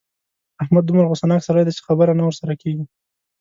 احمد دومره غوسناک سړی دی چې خبره نه ورسره کېږي.